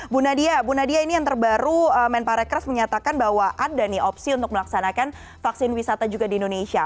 bu nadia bu nadia ini yang terbaru men parekraf menyatakan bahwa ada nih opsi untuk melaksanakan vaksin wisata juga di indonesia